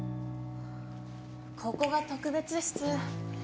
ここが特別室。